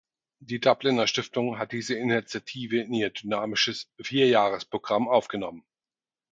Die Dubliner Stiftung hat diese Initiative in ihr dynamisches Vier-Jahres-Programm aufgenommen.